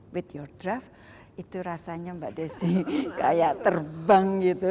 with your draft itu rasanya mbak desi kayak terbang gitu